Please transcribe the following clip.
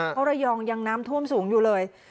เพราะระยองยังน้ำท่วมสูงอยู่เลย